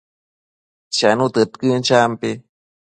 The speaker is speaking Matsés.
Chenu tëdquën, champi